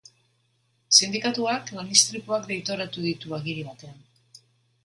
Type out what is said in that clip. Sindikatuak lan istripuak deitoratu ditu agiri batean.